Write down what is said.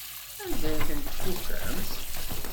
Anda ay tent-tfukemt?